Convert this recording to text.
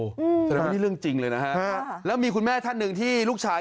แสดงว่านี่เรื่องจริงเลยนะฮะแล้วมีคุณแม่ท่านหนึ่งที่ลูกชาย